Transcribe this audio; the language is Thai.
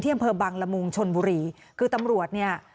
เที่ยงบังรมุงชนบุรีคือตำรวจเนี่ย